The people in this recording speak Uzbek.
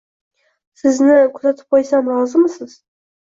Sizni kuzatib qo'ysam, rozimisiz?